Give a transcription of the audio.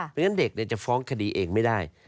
เพราะฉะนั้นเด็กจะฟ้องคดีเองไม่ได้